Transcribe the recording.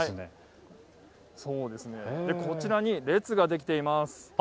こちらに列ができています。